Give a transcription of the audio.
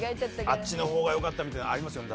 あっちの方がよかったみたいなのありますよね？